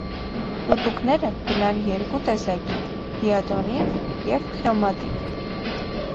Տուտուկները կ՚ըլլան երկու տեսակի՝ տիադոնիք և քրոմադիք։